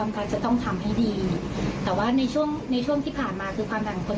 พอเพิ่งมาเชิงการมันอาจจะทำให้เกิดภาวะแทรกซ้อน